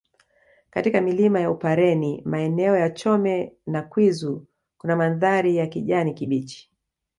Katika milima ya upareni maeneo ya Chome na Kwizu kuna mandhari ya kijani kibichi